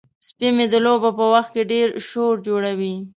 سپی مې د لوبو په وخت کې ډیر شور جوړوي.